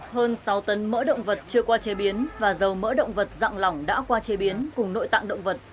hơn sáu tấn mỡ động vật chưa qua chế biến và dầu mỡ động vật dặn lỏng đã qua chế biến cùng nội tạng động vật